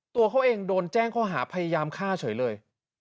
ตัวเขาเองโดนแจ้งข้อหาพยายามฆ่าเฉยเลย